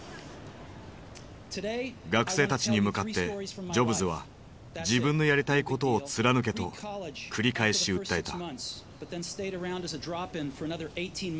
学生たちに向かってジョブズは「自分のやりたいことを貫け」と繰り返し訴えた。